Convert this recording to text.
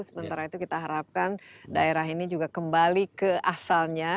sementara itu kita harapkan daerah ini juga kembali ke asalnya